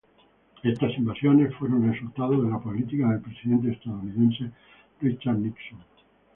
Estas invasiones fueron resultado de la política del presidente estadounidense Richard Nixon.